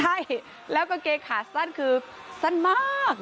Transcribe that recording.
ใช่แล้วกางเกงขาสั้นคือสั้นมาก